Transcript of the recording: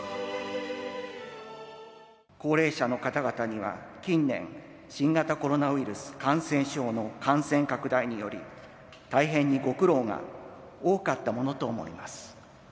高齢者の方々には近年、新型コロナウイルス感染症の感染拡大により、大変にご苦労が多かったものと思います。